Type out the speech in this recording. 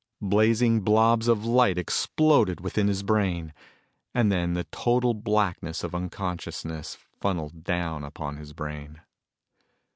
Blazing blobs of light exploded within his brain, and then the total blackness of unconsciousness funneled down upon his brain.